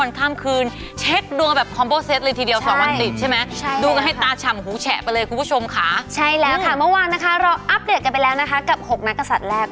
ดูกันให้ตาฉ่ำหูแฉะไปเลยคุณผู้ชมค่ะใช่แล้วค่ะเมื่อวานนะคะเราอัปเดตกันไปแล้วนะคะกับ๖นักกษัตริย์แรก